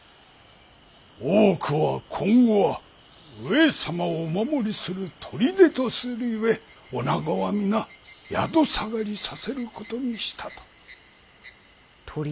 大奥は今後は上様をお守りする砦とする故女子は皆宿下がりさせることにしたと。